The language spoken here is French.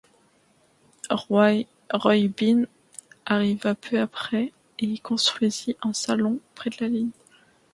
Roy Bean arriva peu après et construisit un saloon près de la ligne.